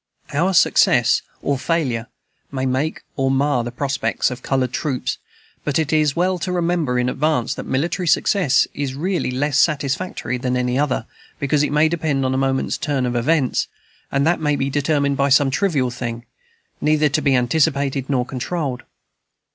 Our success or failure may make or mar the prospects of colored troops. But it is well to remember in advance that military success is really less satisfactory than any other, because it may depend on a moment's turn of events, and that may be determined by some trivial thing, neither to be anticipated nor controlled.